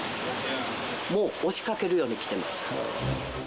もう押しかけるように来てます。